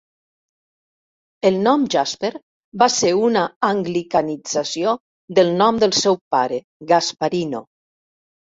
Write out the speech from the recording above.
El nom Jasper va ser una anglicanització del nom del seu pare, Gasparino.